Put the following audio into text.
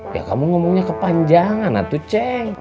ya kamu ngomongnya kepanjangan natu ceng